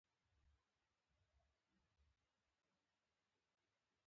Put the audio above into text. په زیمبابوې او نورو ګڼو افریقایي هېوادونو کې هم داسې وو.